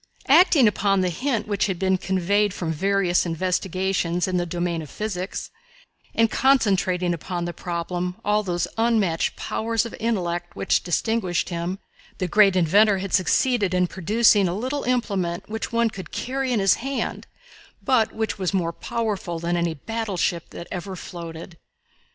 Acting upon the hint which had been conveyed from various investigations in the domain of physics, and concentrating upon the problem all those unmatched powers of intellect which distinguished him, the great inventor had succeeded in producing a little implement which one could carry in his hand, but which was more powerful than any battleship that ever floated.